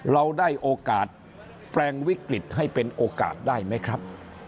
เราได้โอกาสแปลงวิกฤตให้เป็นโอกาสได้ไหมครับ